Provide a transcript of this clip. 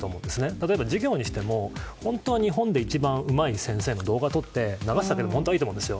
例えば授業にしても本当に日本で一番のうまい先生の動画を撮って流すだけでもいいと思います。